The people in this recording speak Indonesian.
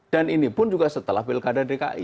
dan ini pun juga setelah pilkada dki